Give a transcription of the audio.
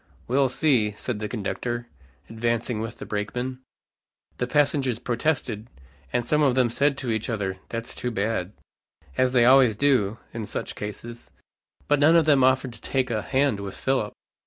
"We'll see," said the conductor, advancing with the brakemen. The passengers protested, and some of them said to each other, "That's too bad," as they always do in such cases, but none of them offered to take a hand with Philip.